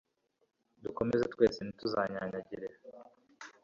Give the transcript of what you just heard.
dukomeze twese ntituzanyanyagire